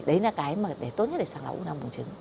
đấy là cái mà tốt nhất để sàng lọc u năng buồn trứng